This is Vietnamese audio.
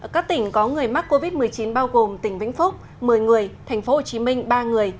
các tỉnh có người mắc covid một mươi chín bao gồm tỉnh vĩnh phúc một mươi người thành phố hồ chí minh ba người